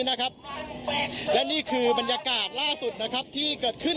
และนี่คือบรรยากาศล่าสุดนะครับที่เกิดขึ้น